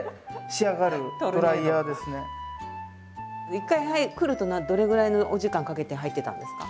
一回来るとどれぐらいのお時間かけて入ってたんですか？